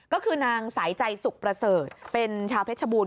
ก็คือนางสายใจสุขประเสริฐเป็นชาวเพชรบูรณ